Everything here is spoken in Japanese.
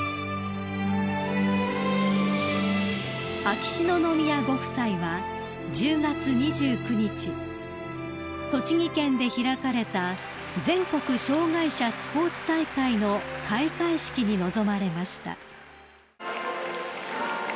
［秋篠宮ご夫妻は１０月２９日栃木県で開かれた全国障害者スポーツ大会の開会式に臨まれました］